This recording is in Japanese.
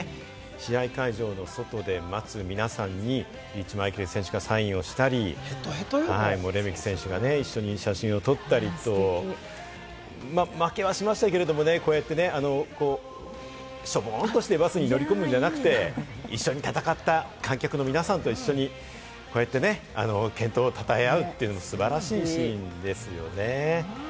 試合会場の外で待つ皆さんにリーチ・マイケル選手がサインをしたり、レメキ選手が一緒に写真を撮ったりと、負けはしましたけれども、こうやって、しょぼんとしてバスに乗り込むんじゃなくて、一緒に戦った観客の皆さんと一緒にこうやって健闘を称え合うというのが素晴らしいシーンでしたよね。